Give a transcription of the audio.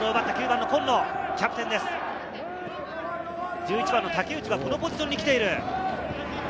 １１番の竹内は、このポジションに来ている。